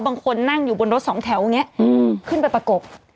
บางคนนั่งอยู่บนรถสองแถวอย่างนี้ขึ้นไปประกบ